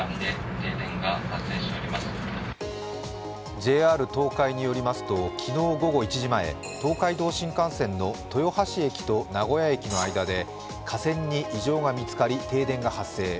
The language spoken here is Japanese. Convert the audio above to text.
ＪＲ東海によりますと、昨日午後１時前、東海道新幹線の豊橋駅と名古屋駅の間で架線に異常が見つかり停電が発生。